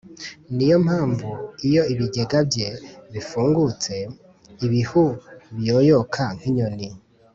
ni yo mpamvu iyo ibigega bye bifungutse, ibihu biyoyoka nk’inyoni.